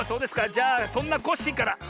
じゃあそんなコッシーから。